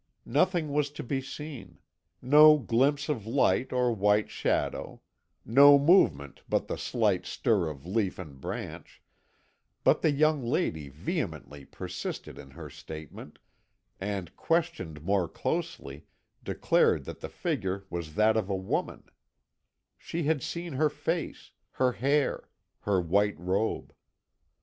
Nothing was to be seen; no glimpse of light or white shadow; no movement but the slight stir of leaf and branch, but the young lady vehemently persisted in her statement, and, questioned more closely, declared that the figure was that of a woman; she had seen her face, her hair, her white robe.